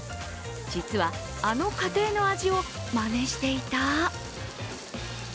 実は、あの家庭の味をまねしていた？